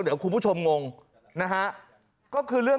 ขอเลื่อนสิ่งที่คุณหนูรู้สึก